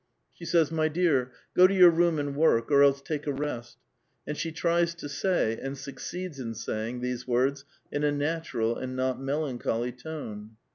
She says, " My dear, go to your room and work, or else take a rest," and she tries to say, and succeeds in saying, these words in a natural and not melancholy tone.